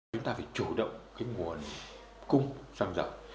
chúng ta phải chủ động nguồn cung xăng dầu